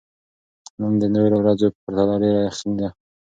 نن د نورو ورځو په پرتله ډېره یخني ده.